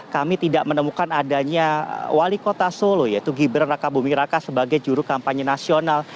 kami tidak menemukan adanya wali kota solo yaitu gibran raka buming raka sebagai juru kampanye nasional